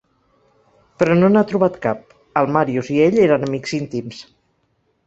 Però no n'ha trobat cap. El Màrius i ell eren amics íntims.